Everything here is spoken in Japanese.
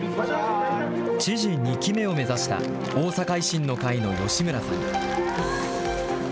知事２期目を目指した、大阪維新の会の吉村さん。